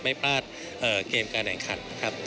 ไม่พลาดเกมการแห่งคัน